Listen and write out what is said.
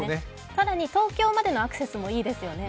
更に東京までのアクセスがいいですね。